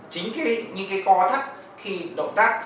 chính những cái co thắt khi động tác